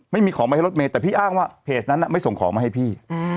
ไม่มีของไปให้รถเมย์แต่พี่อ้างว่าเพจนั้นไม่ส่งของมาให้พี่